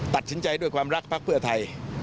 ตัดสินใจด้วยความรักภักดิ์เพื่อไทย